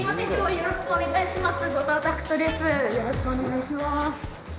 よろしくお願いします。